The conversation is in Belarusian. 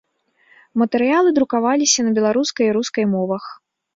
Матэрыялы друкаваліся на беларускай і рускай мовах.